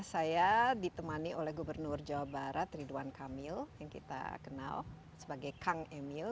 saya ditemani oleh gubernur jawa barat ridwan kamil yang kita kenal sebagai kang emil